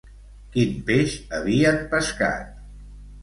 Quin peix havien pescat?